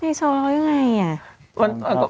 ไฮโซว่าเขายังไง